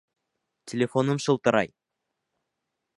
Телефоным шылтырай!